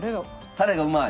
タレがうまい？